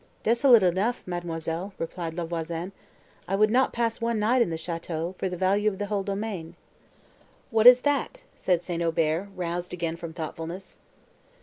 "Desolate enough, mademoiselle," replied La Voisin, "I would not pass one night in the château, for the value of the whole domain." "What is that?" said St. Aubert, roused again from thoughtfulness.